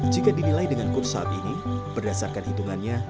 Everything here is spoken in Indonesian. jika dinilai dengan kurs saat ini berdasarkan hitungannya